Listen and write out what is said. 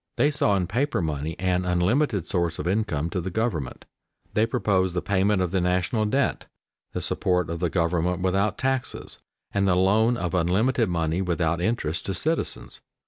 They saw in paper money an unlimited source of income to the government. They proposed the payment of the national debt, the support of the government without taxes, and the loan of unlimited money without interest to citizens.